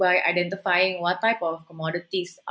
mengidentifikasi apa jenis komoditas